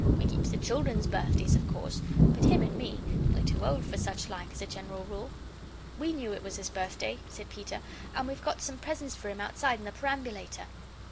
We keeps the children's birthdays, of course; but him and me we're too old for such like, as a general rule." "We knew it was his birthday," said Peter, "and we've got some presents for him outside in the perambulator."